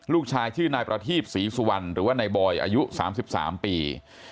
ลูกชายชื่อนายประทีปศรีสุวรรณหรือว่านายบอยอายุ๓๓ปี